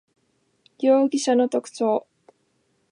容疑者の特徴